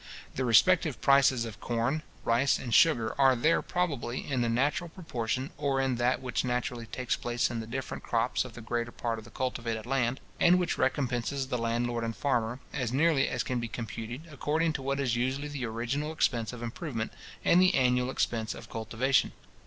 The respective prices of corn, rice, and sugar, are there probably in the natural proportion, or in that which naturally takes place in the different crops of the greater part of cultivated land, and which recompenses the landlord and farmer, as nearly as can be computed, according to what is usually the original expense of improvement, and the annual expense of cultivation.